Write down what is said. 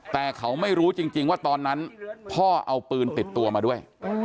แต่เขาไม่รู้จริงว่าตอนนั้นพ่อเอาปืนติดตัวมาด้วย